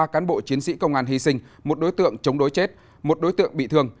ba cán bộ chiến sĩ công an hy sinh một đối tượng chống đối chết một đối tượng bị thương